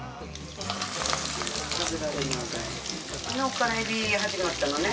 昨日からエビ始まったのね。